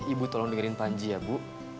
ibu tolong dengerin panji ya bu